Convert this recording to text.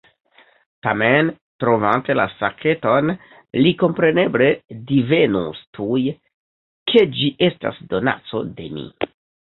Tamen, trovante la saketon, li kompreneble divenus tuj, ke ĝi estas donaco de mi.